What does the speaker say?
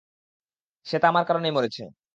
শ্বেতা আমার কারণেই মরেছে।